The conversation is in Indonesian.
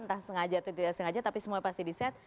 entah sengaja atau tidak sengaja tapi semua pasti di set